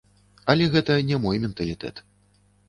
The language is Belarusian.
Але гэта не мой менталітэт.